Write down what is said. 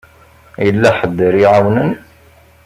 Yella ḥedd ara iɛawnen?